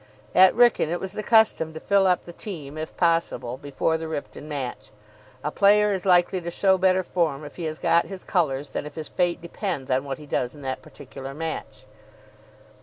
At Wrykyn it was the custom to fill up the team, if possible, before the Ripton match. A player is likely to show better form if he has got his colours than if his fate depends on what he does in that particular match.